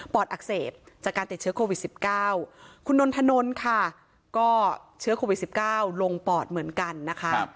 อดอักเสบจากการติดเชื้อโควิด๑๙คุณนนทนนท์ค่ะก็เชื้อโควิด๑๙ลงปอดเหมือนกันนะคะ